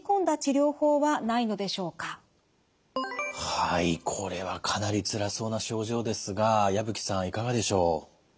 はいこれはかなりつらそうな症状ですが矢吹さんいかがでしょう。